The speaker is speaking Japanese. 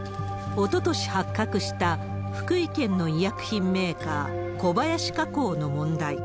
おととし発覚した、福井県の医薬品メーカー、小林化工の問題。